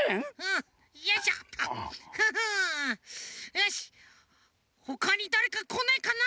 よしほかにだれかこないかな。